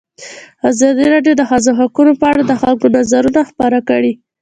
ازادي راډیو د د ښځو حقونه په اړه د خلکو نظرونه خپاره کړي.